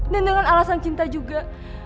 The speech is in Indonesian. dan dengan alasan cinta juga